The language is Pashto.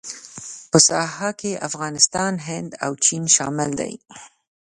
په ساحه کې افغانستان، هند او چین شامل دي.